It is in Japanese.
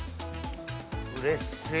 うれしっ！